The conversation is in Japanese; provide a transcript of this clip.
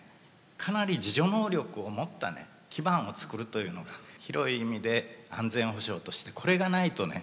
かなり自助能力を持ったね基盤を作るというのが広い意味で安全保障としてこれがないとね